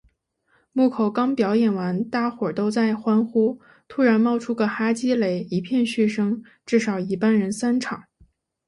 木口刚表演完大伙都在欢呼，突然冒出个哈基雷，一片嘘声，至少一半人散场